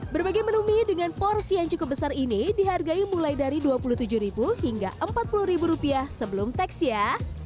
berbagai menu mie dengan porsi yang cukup besar ini dihargai mulai dari dua puluh tujuh hingga empat puluh sebelum teks ya